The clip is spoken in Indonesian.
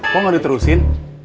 kok nggak diterusin